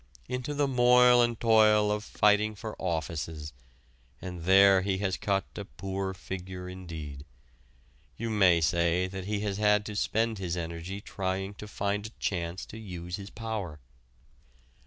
into the moil and toil of fighting for offices, and there he has cut a poor figure indeed. You may say that he has had to spend his energy trying to find a chance to use his power.